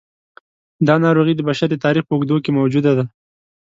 دا ناروغي د بشر د تاریخ په اوږدو کې موجوده ده.